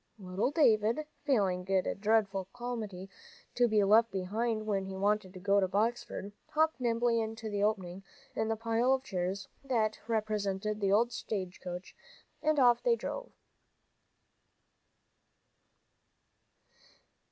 Little David, feeling it a dreadful calamity to be left behind when he wanted to go to Boxford, hopped nimbly into the opening in the pile of chairs that represented the stage coach, and off they drove.